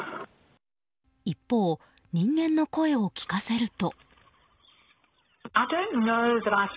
一方、人間の声を聞かせると。